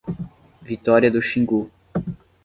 Vitória do Xingu